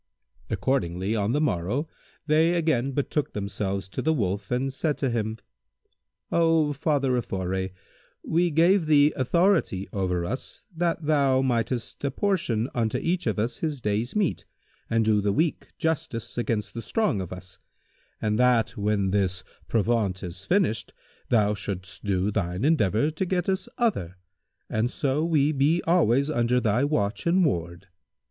Accordingly, on the morrow, they again betook themselves to the Wolf and said to him, "O Father of Foray, we gave thee authority over us, that thou mightest apportion unto each of us his day's meat and do the weak justice against the strong of us, and that, when this provaunt is finished, thou shouldst do thine endeavour to get us other and so we be always under thy watch and ward.